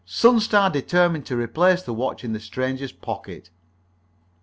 Sunstar determined to replace the watch in the stranger's pocket.